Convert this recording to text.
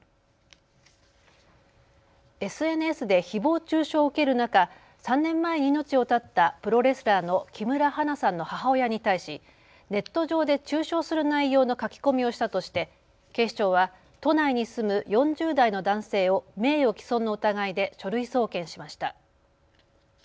ＳＮＳでひぼう中傷を受ける中、３年前に命を絶ったプロレスラーの木村花さんの母親に対しネット上で中傷する内容の書き込みをしたとして警視庁は都内に住む４０代の男性を名誉毀損の疑いで書類送検しました。